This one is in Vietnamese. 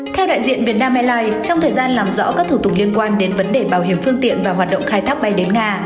theo đại diện việt nam airlines trong thời gian làm rõ các thủ tục liên quan đến vấn đề bảo hiểm phương tiện và hoạt động khai thác bay đến nga